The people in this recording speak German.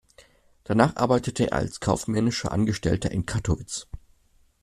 Danach arbeitete er als kaufmännischer Angestellter in Kattowitz.